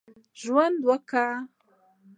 ژوند وکړي.